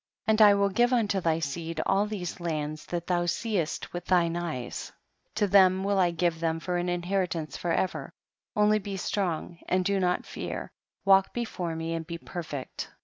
21. And I will give unto thy seed all these lands that thou seest with thine eyes, to them will I give them for an inheritance forever, only be strong and do not fear, walk before me and be perfect.